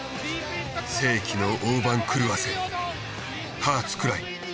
世紀の大番狂わせハーツクライ。